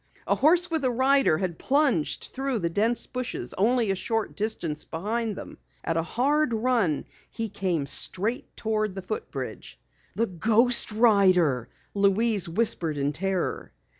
A horse with a rider had plunged through the dense bushes only a short distance behind them. At a hard run he came straight toward the foot bridge. "The ghost rider!" Louise whispered in terror.